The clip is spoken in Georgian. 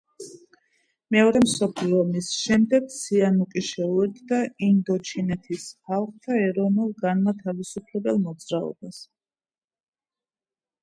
მეორე მსოფლიო ომის შემდეგ სიანუკი შეუერთდა ინდოჩინეთის ხალხთა ეროვნულ-განმათავისუფლებელ მოძრაობას.